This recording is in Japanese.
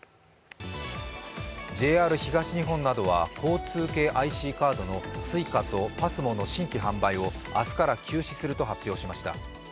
ＪＲ東日本などは昨日交通系ＩＣカードのＳｕｉｃａとＰＡＳＭＯの新規販売を明日から休止すると発表しました。